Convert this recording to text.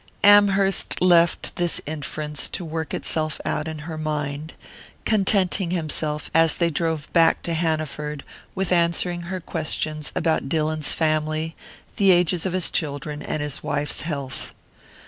Amherst left this inference to work itself out in her mind, contenting himself, as they drove back to Hanaford, with answering her questions about Dillon's family, the ages of his children, and his wife's health.